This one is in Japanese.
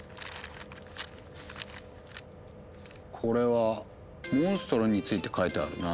これはモンストロについて書いてあるな。